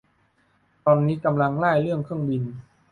ตอนนี้กำลังร่ายเรื่องเครื่องบิน